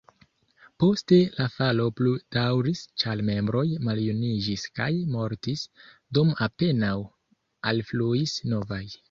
Poste la falo plu daŭris, ĉar membroj maljuniĝis kaj mortis, dum apenaŭ alfluis novaj.